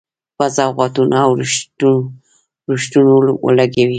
په سوغاتونو او رشوتونو ولګولې.